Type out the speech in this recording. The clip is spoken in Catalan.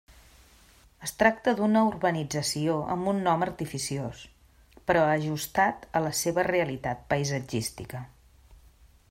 Es tracta d'una urbanització amb un nom artificiós però ajustat a la seva realitat paisatgística.